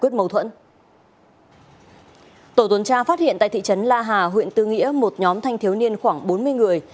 tổ tuần tra phát hiện tại thị trấn la hà huyện tư nghĩa một nhóm thanh thiếu niên khoảng bốn mươi người